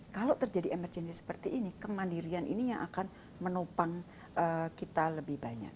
kalau terjadi emergency seperti ini kemandirian ini yang akan menopang kita lebih banyak